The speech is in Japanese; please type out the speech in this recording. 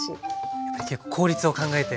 やっぱり効率を考えて。